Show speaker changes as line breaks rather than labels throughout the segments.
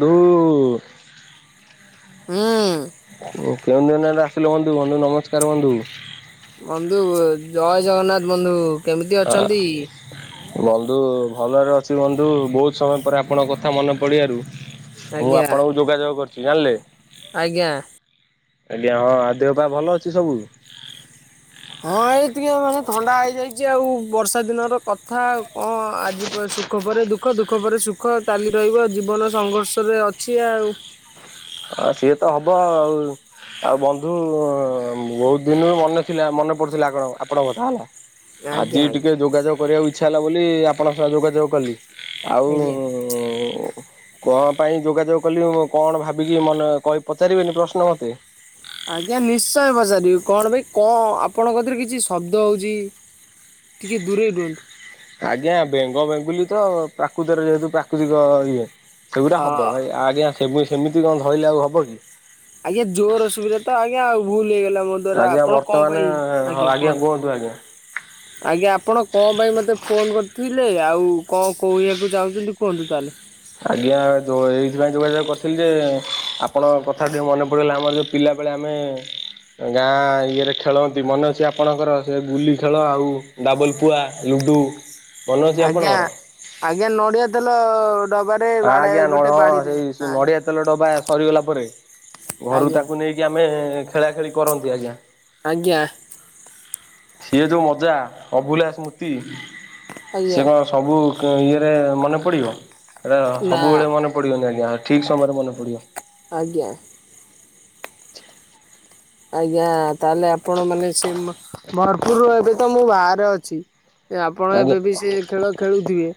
ଦୁ।
ହୁଁ।
କେଉଁ ଦିନ ଆସିଲ ବନ୍ଧୁ, ବନ୍ଧୁ ନମସ୍କାର ବନ୍ଧୁ।
ବନ୍ଧୁ ଜୟ ଜଗନ୍ନାଥ ବନ୍ଧୁ। କେମିତି
ହଁ
ଅଛନ୍ତି?
ବନ୍ଧୁ ଭଲରେ ଅଛି ବନ୍ଧୁ। ବହୁତ ସମୟ ପରେ ଆପଣଙ୍କ କଥା ମନେ ପଡ଼ିବାରୁ ମୁଁ
ଆଜ୍ଞା
ଆପଣଙ୍କୁ ଯୋଗାଯୋଗ କରୁଚି ଜାଣିଲେ।
ଆଜ୍ଞା।
ଆଜ୍ଞା ହଁ ଆ ଦେହପା ଭଲ ଅଛି ସବୁ?
ହଁ ଏ ଟିକେ ମାନେ ଥଣ୍ଡା ହେଇଯାଇଚି ଆଉ ବର୍ଷା ଦିନର କଥା ଆଉ କଣ ଆଜି [unintelligible] ସୁଖ ପରେ ଦୁଃଖ, ଦୁଃଖ ପରେ ସୁଖ ଚାଲି ରହିବ ଜୀବନ ସଂଘର୍ଷରେ ଅଛି ଆଉ।
ହଁ ସିଏ ତ ହବ ଆଉ। ଆଉ ବନ୍ଧୁ ବହୁତ ଦିନରୁ ମନେ ଥିଲା, ମନେ ପଡୁଥିଲା ଆଣ ଆପଣଙ୍କ କଥା ହେଲା। ଆଜି
ଆଜ୍ଞା
ଟିକେ
ଆଜ୍ଞା
ଯୋଗାଯୋଗ କରିବାକୁ ଇଚ୍ଛା ହେଲା ବୋଲି ଆପଣଙ୍କ ସ ଯୋଗାଯୋଗ କଲି। ଆଉ
ଆଜ୍ଞା।
କଣ ପାଇଁ ଯୋଗାଯୋଗ କଲି, ମୁ କଣ ଭାବି ବିିକ ମନେ କହି ପଚାରିବେନି ପ୍ରଶ୍ନ ମୋତେ?
ଆଜ୍ଞା ନିଶ୍ଚୟ ପଚାରିବି, କଣ ଭାଇ କଣ ଆପଣଙ୍କଥିରେ କିଛି ଶବ୍ଦ ହେଉଚି। ଟିକେ ଦୂରେଇ ରୁହନ୍ତୁ।
ଆଜ୍ଞା ବେଙ୍ଗ ବେଙ୍ଗୁଲି ତ ପ୍ରାକୃତିରେ ଯେହେତୁ ପ୍ରାକୃତିକ ଇଏ ସେଗୁଡା
ଅ
ହବ। ଭାଇ ଆଜ୍ଞା ସେ ସେମିତି କଣ ଧଇଲେ ଆଉ ହେବ କି।
ଆଜ୍ଞା ଜୋରେ ଶୁଭିଲା ତ ଆଜ୍ଞା ଆଉ ଭୁଲ ହେଇଗଲା ମୋର। ଦ୍ୱାରା
ଆଜ୍ଞା
ଆପଣ କଣ
ବର୍ତ୍ତମାନ
ପାଇଁ? ଆଜ୍ଞା କୁହନ୍ତୁ। ଆଜ୍ଞା ଆପଣ କଣ ପାଇଁ ମୋତେ ଫୋନ କରିଥିବେ ହେଲେ ଆଉ କଣ କହିବାକୁ ଚାହୁଁଚନ୍ତି କୁହନ୍ତୁ ତାହେଲେ।
ଆଜ୍ଞା ଉଁ ଏଇଥିପାଇଁ ଯୋଗାଯୋଗ କରିଥିଲି ଯେ, ଆପଣଙ୍କ କଥା ଟିକେ ମନେ ପଡ଼ିଗଲା ଆମର ଯେଉଁ ପିଲାବେଳେ ଆମେ ଗାଁ ଇଏରେ ଖେଳନ୍ତି। ମନେ ଅଛି ଆପଣଙ୍କର ସେ ଗୁଲି ଖେଳ ଆଉ ଡାବଲ ପୁଆ। ଲୁଡ଼ୁ ମନେ ଅଛି
ଆଜ୍ଞା,
ଆପଣଙ୍କର?
ଆଜ୍ଞା ନଡ଼ିଆ ତେଲ ଡବାରେ
ହଁ
ବା
ଆଜ୍ଞା ନ
ଗୋଟେ
ହଁ
ବାଡିରେ।
ସେଇ ନଡ଼ିଆ ତେଲ ଡବା ସରିଗଲା ପରେ, ଘରୁ
ଆଜ୍ଞା
ତାକୁ ନେଇକି ଆମେ ଖେଳା ଖେଳି କରନ୍ତି ଆଜ୍ଞା।
ଆଜ୍ଞା।
ସିଏ ଯୋଉ ମଜା ଅଭୁଲା ସ୍ମୃତି
ଆଜ୍ଞା
ସେ କଣ ସବୁ ଇଏରେ ମନେ ପଡିବ ଏଟ
ନା
ସବୁବେଳେ ମନେ ପଡିବନି ଆଜ୍ଞା। ଠିକ୍ ସମୟରେ ମନେପ ପଡ଼ିବ
ଆଜ୍ଞା।
[inaudible]
ଆଜ୍ଞା ତାହେଲେ ଆପଣ ମାନେ ସେ ଭରପୁରରୁ ଏବେ ତ ମୁଁ ବାହାରେ ଅଛି ଆପଣ
ଆଜ୍ଞା
ଏବେ ବି ସେ ଖେଳ ଖେଳୁଥିବେ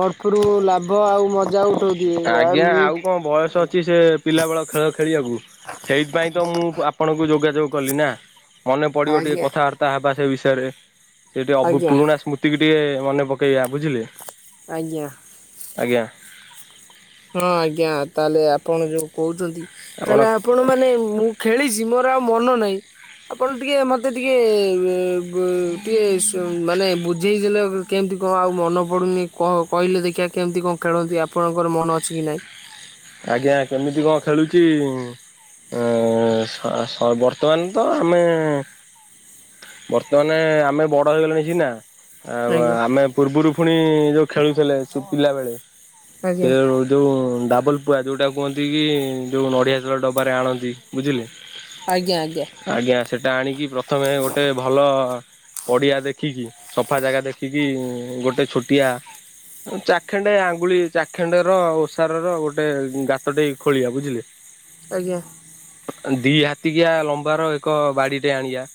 ବର୍ଫରୁ ଲାଭ ହବ ଆଉ ମଜା ଉଠଉଥିବେ ଆ
ଆଜ୍ଞା ଆଉ କଣ ବୟସ
ମୁଁ
ଅଛି ସେ ପିଲାବେଳ ଖେଳ ଖେଳିବାକୁ ସେଇଥିପାଇଁ ତ ମୁଁ ଆପଣଙ୍କୁ ଯୋଗାଯୋଗ କଲି ନା। ମନେ ପଡିବ ଟିକେ
ଆଜ୍ଞା
କଥାବାର୍ତ୍ତା ହେବା ସେ ବିଷୟରେ ସେ ଟିକେ
ଆଜ୍ଞା
ପୁରୁଣା ସ୍ମୃତି ଏତିକେ ଟିକେ ମନେ ପକେଇବା ବୁଝିଲେ।
ଆଜ୍ଞା।
ଆଜ୍ଞା।
ହଁ ଆଜ୍ଞା ତାହେଲେ ଆପଣ ଯୋଉ କହୁଛନ୍ତି ତାହେଲେ ଆପଣ ମାନେ ମାନେ ମୁଁ ଖେଳିଚି ମୋର ଆଉ ମନ ନାହିଁ ଆପଣ ଟିକେ ମତେ ଟିକେ ଟିକେ ମାନେ ବୁଝେଇଦେଲେ କେମିତି କଣ ଆଉ ମନ ପଡ଼ୁନି କହିଲେ ଦେଖିବା କେମିତି କଣ ଖେଳନ୍ତି ଆପଣଙ୍କର ମନ ଅଛି କି ନାହିଁ।
ଆଜ୍ଞା କେମିତି କଣ ଖେଳୁଚି ଏ ସ ସ ବର୍ତ୍ତମାନ ତ ଆମେ ବର୍ତ୍ତମାନ ଆମେ ବଡ ହେଇଗଲେଣି ସିନା ଆଉ
ଆଜ୍ଞା
ଆମେ ପୂର୍ବରୁ ପୁଣି ଯୋଉ ଖେଳୁଥିଲେ ସେ ପିଲା ବେଳେ
ଆଜ୍ଞା
ସେ ଯୋଉ ଡାବଲ ପୁଆ ଯୋଉଟା କୁହନ୍ତି କି ଯୋଉ ନଡ଼ିଆ ଚାଳ ଡବାରେ ଆଣନ୍ତି। ବୁଝିଲେ?
ଆଜ୍ଞା ଆଜ୍ଞା।
ଆଜ୍ଞା, ସେଟା ଆଣିକି ପ୍ରଥମେ ଗୋଟେ ଭଲ ପଡିଆ ଦେଖିକି ସଫା ଜାଗା ଦେଖିକି ଗୋଟେ ଛୋଟିଆ ଚାଖେଣ୍ଡେ ଆଙ୍ଗୁଳି ଚାଖେଣ୍ଡେ ର ଓଷାର ର ଗୋଟେ ଗୋଟେ ଗାତ ଟେ ଖୋଳିବା ବୁଝିଲେ?
ଆଜ୍ଞା।
ଦି ହାତିକିଆ ଲମ୍ବାର ଏକ ବାଡିଟେ ଆଣଆ।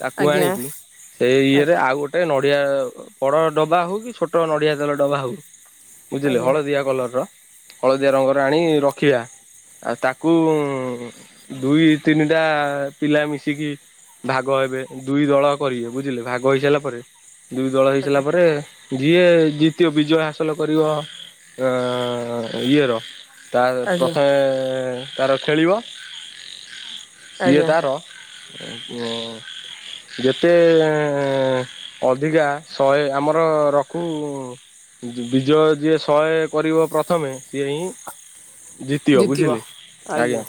ତାକୁ
ଆଜ୍ଞା
ଆଣିକି ସେଇ ଇଏରେ
ଆଜ୍ଞା
ଆଉ ଗୋଟେ ଗଟେ ନଡିଆ ବଡ ଡବା ହଉ କି ଛୋଟ ନଡିଆ ତେଲ ଡବା ହଉ। ବୁଝିଲେ
ଆଜ୍ଞା ଆଜ୍ଞା
ହଳଦିଆ କଲର ର ହଳଦିଆ ରଙ୍ଗର ଆଣି ରଖିବା। ଆଉ ତାକୁ ଦୁଇ ତିନିଟା ପିଲା ମିଶିକି- ଭାଗ ହେବେ ଦୁଇ ଦଳ କରିବେ ବୁଝିଲେ ଭାଗ ହେଇ ସାରିଲା ପରେ ଦୁଇ ଦଳ ହେଇସାରିଲା ପରେ ଯିଏ ଜିତିବ ବିଜୟ ହାସଲ କରିବ ଇଏର- ତା
ଆଜ୍ଞା ଆଜ୍ଞା
ପ୍ରଥମେ ତାର ଖେଳିବ। ସିଏ
ଆଜ୍ଞା
ତାର ଯେତେ ଅଧିକା ଶହେ ଆମର ରଖୁ ବିଜୟ, ଯିଏ ଶହେ କରିବ ପ୍ରଥମେ ସିଏ ହିଁ ଜିତିବ। ବୁଝିଲେ। ଆଜ୍ଞା।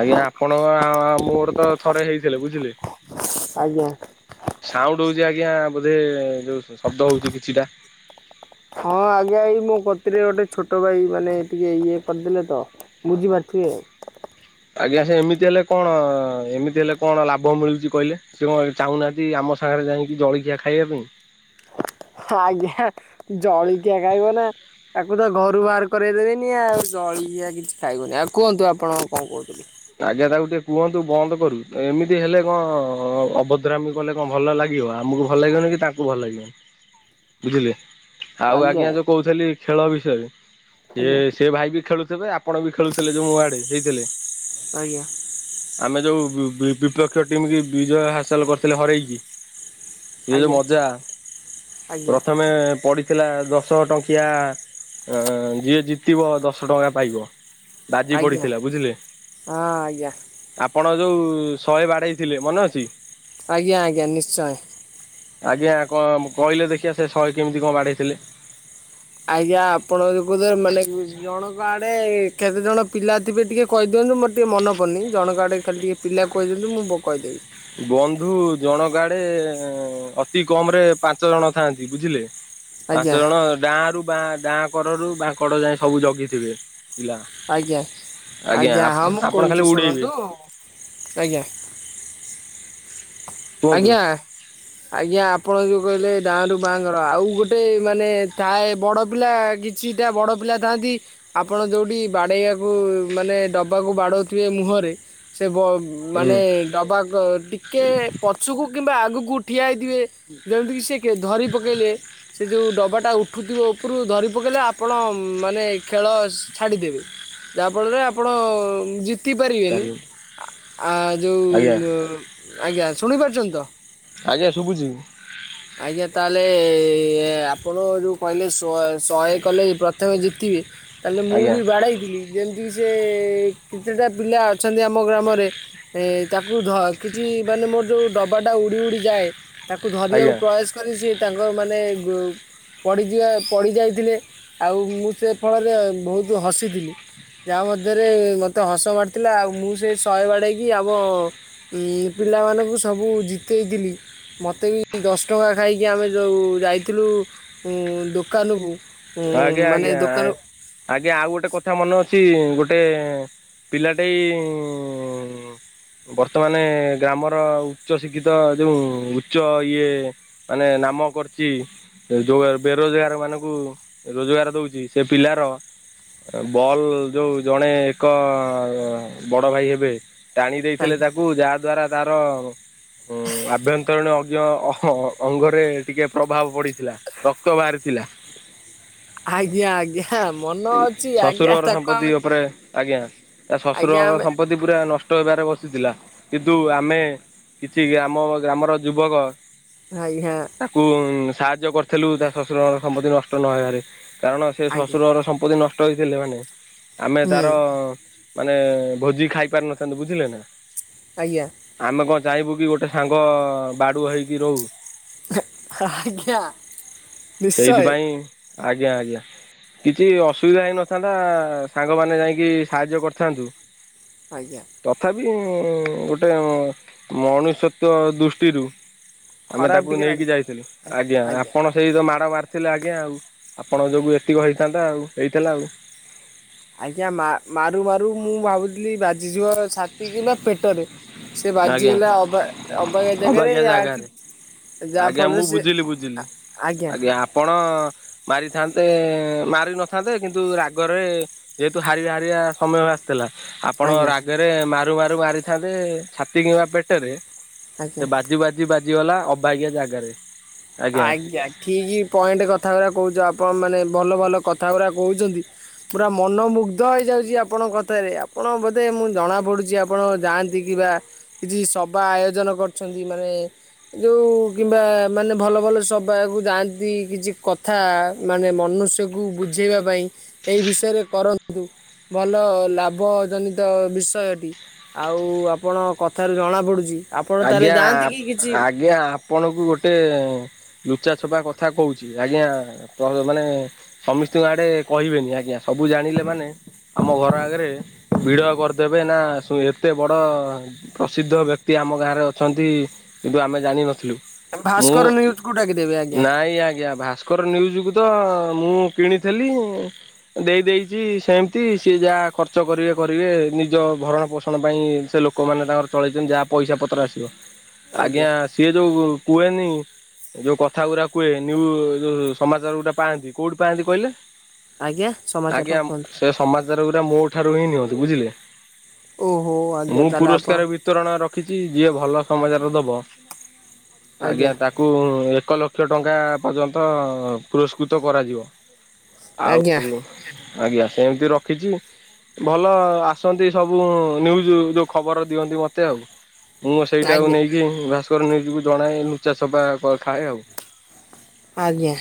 ଆଜ୍ଞା ଆପଣଙ୍କ ମୋର ତ ଥରେ ହେଇଥିଲେ। ବୁଝିଲେ?
ଆଜ୍ଞା।
ସାଉଣ୍ଡ ହଉଛି ଆଜ୍ଞା। ବୋଧେ ଯୋଉ ଶବ୍ଦ ହଉଛି କିଛିଟା।
ହଁ ଆଜ୍ଞା ଏଇ ମୋ କତିରେ ଗୋଟେ ଛୋଟ ଭାଇ ମାନେ ଟିକେ ଇଏ କରିଦେଲେ ତ ବୁଝିପାରୁଥିବେ।
ଆଜ୍ଞା ସେ ଏମିତି ହେଲେ କଣ? ଏମିତି ହେଲେ କଣ ଲାଭ ମିଳୁଛି କହିଲେ? ସେ କଣ ଚାହୁଁନାହାନ୍ତି ଆମ ସାଙ୍ଗରେ ଯାଇକି ଜଳଖିଆ ଖାଇବା ପାଇଁ।
ଆଜ୍ଞା। ଜଳଖିଆ ଖାଇବ ନା ତାକୁ ତ ଘରୁ ବାହାର କରେଇ ଦେବେନି ଆଉ। ଜଳିିଖିଆ କିଛି ଖାଇବୁନି। ଆଉ କୁହନ୍ତୁ ଆପଣ କଣ କହୁଥିଲେ?
ଆଜ୍ଞା ତାକୁ ଟିକେ କୁହନ୍ତୁ ବନ୍ଦ କରୁ। ଏମିତି ହେଲେ କଣ ଅଭଦ୍ରାମୀ। କଲେ କଣ ଭଲ ଲାଗିବ। ଆମକୁ ଭଲ ଲାଗିବନି କି ତାଙ୍କୁ ଭଲ ଲାଗିବନି। ବୁଝିଲେ? ଆଉ ଆଜ୍ଞା ଯୋଉ କହୁଥେଲି ଖେଳ ବିଷୟରେ।
ଆଜ୍ଞା
ଏ ସେ ଭାଇ ବି ଖେଳୁଥେବେ ଆପଣ ବି ଖେଳୁଥିଲେ ଯୋଉ ୱଡେ ହେଇଥେଲେ।
ଆଜ୍ଞା।
ଆମେ ଯୋଉ ବି ବିପକ୍ଷ ଟିମକି ବିଜୟ ହାସଲ କରିଥିଲେ ହରେଇକି। ଇଏ ଯୋଉ
ଆଜ୍ଞା
ମଜା
ଆଜ୍ଞା
ପ୍ରଥମେ ପଡି ଥିଲା ଦଶ ଟଙ୍କିଆ। ଯିଏ ଜିତିବ ଦଶ ଟଙ୍କା ପାଇବ। ବାଜି
ଆଜ୍ଞା
ପଡିଥିଲା। ବୁଝିଲେ?
ହଁ ଆଜ୍ଞା।
ଆପଣ ଯୋଉ ଶହେ ବାଡେଇ ଥିଲେ। ମନେ ଅଛି?
ଆଜ୍ଞା ଆଜ୍ଞା। ନିଶ୍ଚୟ।
ଆଜ୍ଞା କ କହିଲେ ଦେଖିବା ସେ ଶହେ କେମିତି କଣ ବାଡେଇଥିଲେ?
ଆଜ୍ଞା ଆପଣ ଯୋଉ କହୁଥିଲେ ମାନେ ଜଣଙ୍କ ଆଡେ କେତେ ଜଣ ପିଲା ଥିବେ ଟିକେ କହିଦିଅନ୍ତୁ, ମୋର ଟିଏ ମନ ପଡ଼ନି। ଜଣଙ୍କ ଆଡ଼େ ଖାଲି ଟିକେ ପିଲା କହିଦିଅନ୍ତୁ, ମୁଁ ବ କହିଦେବି।
ବନ୍ଧୁ ଜଣଙ୍କ ଆଡେ-ଏଁ ଅତି କମ୍ ରେ ପାଞ୍ଚ ଜଣ ଥାଆନ୍ତି। ବୁଝିଲେ? ପାଞ୍ଚ
ଆଜ୍ଞା।
ଜଣ ଡାଁ ରୁ ବାଁ, ଡାଁ କରରୁ ବାଁ କଡ ଯାଏ ସବୁ ଜଗିଥିବେ। ପିଲା
ଆଜ୍ଞା, ଆଜ୍ଞା। ହଁ, ମୁଁ
ଆପଣ ଖାଲି
କହୁଛି
ଉଡେଇବେ
ଶୁଣନ୍ତୁ, ଆଜ୍ଞା।
କୁହନ୍ତୁ
ଆଜ୍ଞା।
[inaudible]
ଆଜ୍ଞା, ଆପଣ ଯୋଉ କହିଲେ, ଡାଁ ରୁ ବାଁ କର। ଆଉ ଗୋଟେ ମାନେ ଥାଏ, ବଡ ପିଲା କି ଛିଟା ବଡ଼ ପିଲା ଥାଆନ୍ତି। ଆପଣ ଯଉଠି ବାଡ଼େଇଆକୁ ମାନେ ଡବାକୁ ବାଡ଼ଉଥିବେ ମୁହଁରେ। ସେ ବ
ହୁଁ
ମାନେ ଡବାକ ଟିକେ ପଛୁକୁ କିମ୍ବା ଆଗକୁ ଠିଆ ହେଇ ଥିବେ। ଯେମିତିକି ସେ କେ ଧରି ପକେଇଲେ ସେ ଯଉ ଡବାଟା ଉଠୁଥିବ ଉପରକୁ ଧରି ପକେଇଲେ, ଆପଣ ମାନେ ଖେଳ ସ ଛାଡ଼ିଦେବେ। ଯାହାଫଳରେ ଆପଣ ଜିତ୍ ତି ପାରିବେନି।
ଚାରି
ଆ ଯୋଉ
ଆଜ୍ଞା
ମୁଁ ଆଜ୍ଞା ଶୁଣିପାରୁଛନ୍ତି ତ?
ଆଜ୍ଞା, ଶୁଭୁଛିି।
ଆଜ୍ଞା, ତାହେଲେ-ଏ ଆପଣ ଯୋଉ କହିଲେ ‍ସ୍ଵ ଶହେ କଲେ ପ୍ରଥମେ ଜିତିବେ। ତାହେଲେ ମୁଁ
ଆଜ୍ଞା
ବି ବାଡ଼େଇଥିଲି। ଯେମିତିକି ସିଏ, କିତିଟା ପିଲା ଅଛନ୍ତି, ଆମ ଗ୍ରାମରେ। ଏ ତାକୁ ଧ କିଛି ମାନେ, ମୋର ଯୋଉ ଡବାଟା ଉଡି ଉଡି ଯାଏ। ତାକୁ ଧରିଆକୁ
ଆଜ୍ଞା
ବୟସ କରି ସି ତାଙ୍କର ମାନେ ଗୋ ପଡ଼ିଯିବା ପଡ଼ିଯାଇଥିଲେ, ଆଉ ମୁଁ ସେ ଫଳରେ ବହୁତ ହସି ଥିଲି। ଯାହା ମଧ୍ୟରେ ମତେ ହସ ମାଡ଼ିଥିଲା। ଆଉ ମୁଁ ସେ ଶହେ ବାଡ଼େଇକି ଆମ ଉଁ ପିଲାମାନଙ୍କୁ ସବୁ ଜିତେଇଥିଲି। ମତେ ବି ଦଶ ଟଙ୍କା ଖାଇକି ଆମେ ଯଉ ଯାଇଥିଲୁ, ଉଁ ଦୋକାନକୁ। ହୁଁ-ଉଁ
ଆଜ୍ଞା
ମାନେ
ଆଜ୍ଞା
ଦୋକାନ
ଆଜ୍ଞା, ଆଉ ଗୋଟେ କଥା ମନେ ଅଛି? ଗୋଟେଁ ପିଲାଟେଇ-ଇଁ ବର୍ତ୍ତମାନେ ଗ୍ରାମର ଉଚ୍ଚ ଶିକ୍ଷିତ, ଯୋଉଁ ଉଚ୍ଚ ଇଏ ମାନେ ନାମ କରିଚି, ଯୋଉ ବେରୋଜଗାର ମାନଙ୍କୁ ରୋଜଗାର ଦଉଛି। ସେ ପିଲାର ବଲ୍ ଯୋଉ ଜଣେ ଏକ-ଅ ବଡ ଭାଇ ହେବେ। ଟାଣି ଦେଇଥିଲେ
ଆଜ୍ଞା
ତାକୁ, ଯାହା ଦ୍ଵାରା ତାର ହୁଁ, ଆଭ୍ୟନ୍ତରୀଣ ଅଜ୍ଞ ଅଙ୍ଗରେ ଟିକେ ପ୍ରଭାବ ପଡିଥିଲା। ରକ୍ତ ବାହାରିଥିଲା।
ଆଜ୍ଞା, ଆଜ୍ଞା। ମନ ଅଛି, ଆଜ୍ଞା,
ଶ୍ୱଶୁରର
ତାକୁ
ସମ୍ପତ୍ତି
ଆମେ
ଉପରେ ଆଜ୍ଞା। ତା
ଆଜ୍ଞା
ଶଶୁରର
ଆମେ
ସମ୍ପତ୍ତି ପୁରା ନଷ୍ଟ ହେବାରେ ବସିଥିଲା। କିନ୍ତୁ ଆମେ କିଛି ଆମ ଗ୍ରାମର ଯୁବକ
ଆଘ୍ୟାଁ।
ତାକୁ ସାହାଯ୍ୟ କରିଥିଲୁ, ତା ଶଶୁର ଘର ସମ୍ପତ୍ତି ନଷ୍ଟ ନହେବାରେ। କାରଣ, ସେ
ଆଜ୍ଞା
ଶ୍ୱଶୁରଘର ସମ୍ପତ୍ତି ନଷ୍ଟ ହେଇଥିଲେ, ମାନେ ଆମେ
ହୁଁ
ତାର-ଅ ମାନେ ଭୋଜି ଖାଇ ପାରି ନଥାନ୍ତୁ, ବୁଝିଲେ ନା!
ଆଜ୍ଞା।
ଆମେ କଣ ଚାହିଁବୁ କି, ଗୋଟେ ସାଙ୍ଗ ବାଡୁଅ ହେଇକି ରହୁ?
ଆ-ଆଜ୍ଞା, ନିଶ୍ଚୟ!
ସେଇଥିପାଇଁ ଆଜ୍ଞା, ଆଜ୍ଞା। କିଛି ଅସୁବିଧା ହେଇନଥାନ୍ତା-ଆ, ସାଙ୍ଗମାନେ ଯାଇକି ସାହାଯ୍ୟ କରିଥାନ୍ତୁ।
ଆଜ୍ଞା।
ତଥାପି ଗୋଟେ ମଣିଷତ୍ଵ ଦୃଷ୍ଟିରୁ ଆମେ
ଖରାପ
ତାକୁ
ଟିକେ
ନେଇକି
ଲାଗିଲା
ଯାଇଥିଲୁ, ଆଜ୍ଞା ଆପଣ ସେଇ ତ ମାଡ଼ ମାରିଥିଲେ ଆଜ୍ଞା ଆଉ, ଆପଣ ଯୋଗୁ ଏତିକ ହେଇଥାନ୍ତା ଆଉ, ହେଇଥିଲା ଆଉ।
ଆଜ୍ଞା ମା- ମାରୁ ମାରୁ ମୁଁ ଭାବୁଥିଲି ବାଜିଯିବ ଛାତି କିମ୍ବା ପେଟରେ ସେ
ଆଜ୍ଞା
ବାଜିଗଲା ଅବା ଅବାଗିଆ ଜାଗାରେ ଆଖି
ଆଜ୍ଞା ମୁଁ ବୁଝିଲି ବୁଝିଲି ଆଜ୍ଞା ଆପଣ ମାରିଥାନ୍ତେ, ମାରି ନଥାନ୍ତେ କିନ୍ତୁ ରାଗରେ ଯେହେତୁ ହାରିବା ହାରିବା ସମୟ ଆସ ଥିଲା, ଆପଣ
ଆଜ୍ଞା
ରାଗରେ ମାରୁ ମାରୁ ମାରିଥାନ୍ତେ ଛାତି କିମ୍ବା ପେଟରେ। ସେ
ଆଜ୍ଞା।
ବାଜି ବାଜି ବାଜିଗଲା ଅବାଗିଆ ଜାଗାରେ।
ଆଜ୍ଞା ଠିକି ପଏଣ୍ଟ କଥା ଗୁରା କହୁଛ, ଆପଣ ମାନେ ଭଲ ଭଲ କଥା ଗୁଡ଼ା କହୁଛନ୍ତି। ପୁରା ମନମୁଗ୍ଧ ହେଇଯାଉଛି ଆପଣଙ୍କ କଥାରେ, ଆପଣ ବୋଧେ ମୁଁ ଜଣାପଡ଼ୁଛି ଆପଣ ଯାଆନ୍ ତି କିି ବା କିଛି ସବା ଆୟୋଜନ କରିଛନ୍ତି ମାନେ ଯୋଉ କିମ୍ବା ମାନେ ଭଲ ଭଲ ସବାକୁ ଯାଆନ୍ତି କିଛି କଥା ମାନେ ମନୁଷ୍ୟକୁ ବୁଝେଇବା ପାଇଁ। ଏଇ ବିଷୟରେ କରନ୍ତୁ ଭଲ ଲାଭ ଜନିତ ବିଷୟଟି। ଆଉ ଆପଣ କଥାରୁ ଜଣାପଡ଼ୁଚି
ଆଜ୍ଞା ଆଜ୍ଞା ଆପଣଙ୍କୁ ଗୋଟେ ଲୁଚା ଛପା କଥା କହୁଛି ଆଜ୍ଞା [unintelligible] ମାନେ ସମିସ୍ତିଙ୍କ ଆଡେ କହିବେନି ଆଜ୍ଞା, ସବୁ ଜାଣିଲେ ମାନେ ଆମ ଘର ଆଗରେ ଭିଡ କରିଦେବେ ନା ସୁ-ଏତେ ବଡ ପ୍ରସିଦ୍ଧ ବ୍ୟକ୍ କ୍ତି ଆମ ଗାଁରେ ଅଛନ୍ତି କିନ୍ତୁ ଆମେ ଜାଣିନଥିଲୁ। ମୁଁ
ଭାସ୍କର ନ୍ୟୁଜକୁ ଡାକିଦେବେ ଆଜ୍ଞା।
ନାଇ ଆଜ୍ଞା ଭାସ୍ କର ନ୍ୟୁଜ୍ କୁ ତ ମୁଁ କିଣିଥିଲି। ଦେଇ ଦେଇଚି ସେମିତି ସିଏ ଯାହା ଖର୍ଚ୍ଚ କରିବେ କରିବେ ନିଜ ଭରଣ ପୋଷଣ ପାଇଁ, ସେ ଲୋ କମାନେ ତାଙ୍କର ଚଳେଇଚନ୍ତି ଯାହା ପଇସା ପତ୍ର ଆସିବ, ଆଜ୍ଞା ସିଏ ଯୋଉ କୁଏନି ଏ ଯୋଉ କଥା ଗୁରା କୁହେ ନିଉ ଯୋଉ ସମାଚାର ଗୁଟା ପାଆନ୍ତି। କୋଉଠୁ ପାଆନ୍ତି କଇଲେ?
ଆଜ୍ଞା ସମାଚାର
ଆଜ୍ଞା
କୁହନ୍ତୁ
ସେ ସମାଚାର ଗୁରା ମୋ ଠାରୁ ହିଁ ନିଅନ୍ତି ବୁଝିଲେ।
ଓହୋ ଆଜ୍ଞା
ମୁଁ
ତାହେଲେ ଆପଣ
ପୁରସ୍କାର ବିତରଣ ର ଖିଛି ଯିଏ ଭଲ ସମାଚାର ଦବ, ଆଜ୍ଞା ତାକ କୁ ଏକ ଲକ୍ଷ ଟଙ୍କା ପର୍ଯ୍ୟନ୍ତ ପୁରସ୍କୃତ କରାଯିବ।
ଆଜ୍ଞା
ଆଉ ଆଜ୍ଞା ସେମିତି ରଖିଛି। ଭଲ ଆସନ୍ତି ସବୁ ନ୍ୟୁଜ୍ ଯୋଉ ଖବର ଦିଅନ୍ତି ମୋତେ ଆଉ। ମୁଁ ସେଇଟାକୁ
ଆଜ୍ଞା
ନେଇକି ଭାସ୍କର ନ୍ୟୁଜ୍ କୁ ଜଣାଏ, ଲୁଚା ଛଫା କ-ଖାଏ ଆଉ।
ଆଜ୍ଞା।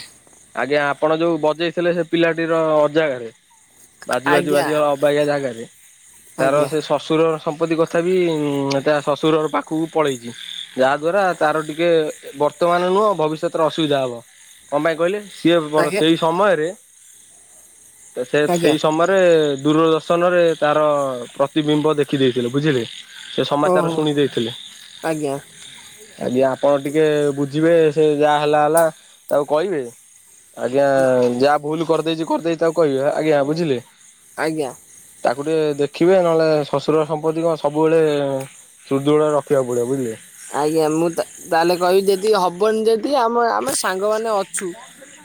ଆଜ୍ଞା ଆପଣ ଯୋଉ ବଜେଇଥିଲେ ସେ ପିଲାଟିର ଅଜାଗାରେ। ବାଜୁ ବାଜୁ
ଆଜ୍ଞା
ବାଜିବ ଅବାଗିଆ ଜାଗାରେ ତାର
ଆଜ୍ଞା
ସେ ଶଶୁର ସମ୍ପତ୍ତି କଥା ବି ଉଁ, ତା ଶଶୁର ଘର ପାଖକୁ ପଳେଇଚି, ଯାହାଦ୍ୱାରା ତାର ଟିକେ ବର୍ତ୍ତମାନ ନୁହଁ ଭବିଷ୍ୟତରେ ଅସୁବିଧା ହବ, କଣ ପାଇଁ କହିଲେ? ସିଏ ବର
ଆଜ୍ଞା
ସେଇ ସମୟରେ ତ ସେ
ଆଜ୍ଞା
ସେଇ ସମୟରେ ଦୂରଦଶ ଶନ ରେ ତାର ପ୍ରତିବିମ୍ବ ଦେଖିଦେଇଥିଲେ ବୁଝିଲେ। ତାର
ଓହୋ
ଶୁଣି ଦେଇଥିଲେ।
ଆଜ୍ଞା
ଆଜ୍ଞା ଆପଣ ଟିକେ ବୁଝିବେ ସେ ଯାହା ହେଲା ହେଲା ତାକୁ କହିବେ। ଆଜ୍ଞା ଯା ଭୁଲ କରିଦେଇଛି କରିଦେଇଛି ତାକୁ କହିବ ଆଜ୍ଞା ବୁଝିଲେ।
ଆଜ୍ଞା।
ତାକୁ ଟିକେ ଦେଖିବେ ନହେଲେ ଶଶୁର ସମ୍ପତ୍ତି କଣ ସବୁବେଳେ ସୁଦୃଢ ରଖିବାକୁ ପଡିବ ବୁଝିଲେ।
ଆଜ୍ଞା ମୁଁ ତାହେଲେ କହିବି ଯେଦକି ହବନି ଯଦି ଆମେ ଆମେ ସାଙ୍ଗମାନେ ଅଛୁ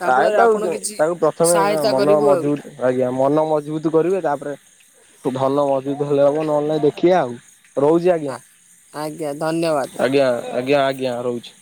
ତା
ପ୍ରାୟ
ଫଳରେ
ତାକୁ
ଆପଣ କିଛି
ତାକୁ ପ୍ରଥମେ
ସହାୟତା
ମନ
କରିବୁ ଆଉ।
ମଜବୁତ ଆଜ୍ଞା ମନ ମଜବୁତ କରିବେ ତାପରେ ଭଲ ମଜବୁତ ହେଲେ ହବ ନହେଲେ ନାଇଁ ଦେଖିବା ଆଉ ରହୁଛି ଆଜ୍ଞା।
ଆଜ୍ଞା ଧନ୍ୟବାଦ।
ଆଜ୍ଞା ଆଜ୍ଞା ଆଜ୍ଞା ରହୁଛି।